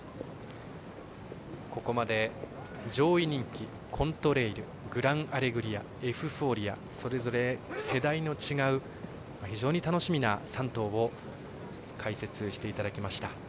ここまで上位人気コントレイルグランアレグリアエフフォーリアそれぞれ世代の違う非常に楽しみな３頭を解説していただきました。